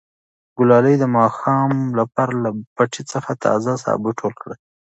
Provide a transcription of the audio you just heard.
ګلالۍ د ماښام لپاره له پټي څخه تازه سابه ټول کړل.